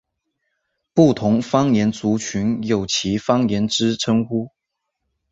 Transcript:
不同方言族群有其方言之称呼。